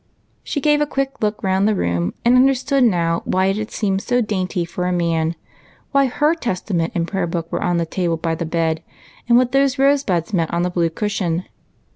She gave a quick look round the room and understood now why it had seemed too dainty for a man, why her Testament and Prayer book were on the table by the bed, and what those rose buds meant on the blue cushion.